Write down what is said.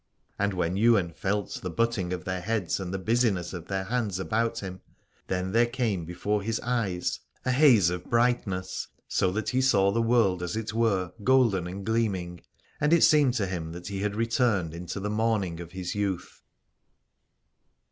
And when Ywain felt the butting of their heads and the busyness of their hands about him then there came before his eyes a haze of i86 Aladore brightness, so that he saw the world as it were golden and gleaming, and it seemed to him that he had returned into the morning of his youth.